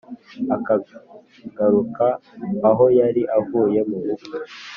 akagaruka aho yari avuye mu bukwe